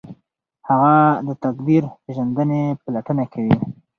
هغه د تقدیر پیژندنې پلټنه کوي.